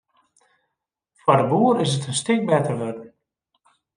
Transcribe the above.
Foar de boer is it in stik better wurden.